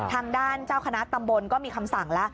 ทางด้านเจ้าคณะตำบลก็มีคำสั่งแล้ว